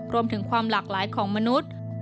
ความหลากหลายของมนุษย์